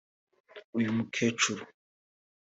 “Uyu mukecuru”